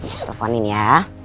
sus teleponin ya